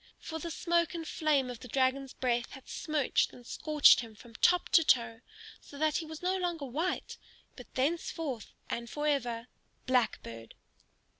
For the smoke and flame of the dragon's breath had smirched and scorched him from top to toe, so that he was no longer white, but thenceforth and forever Blackbird.